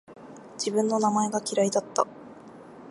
自分の名前が嫌いだった